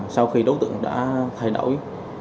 sau khi đối tượng đã thay đổi